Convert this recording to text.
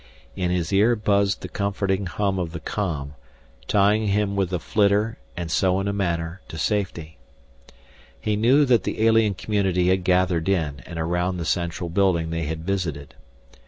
In his ear buzzed the comforting hum of the com, tying him with the flitter and so, in a manner, to safety. He knew that the alien community had gathered in and around the central building they had visited.